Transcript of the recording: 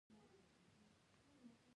ناڅاپي مې پر حلال رسټورانټ سترګې ولګېدې.